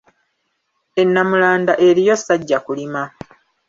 E Nnamulanda eriyo Ssajjakulima